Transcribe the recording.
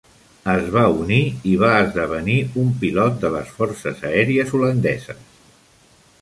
Es va unir i va esdevenir un pilot de les forces aèries holandeses.